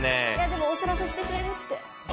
でもお知らせしてくれるって。